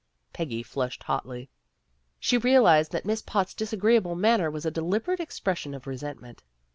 '' Peggy flushed hotly. She realized that Miss Potts' disagreeable manner was a deliberate expression of resentment.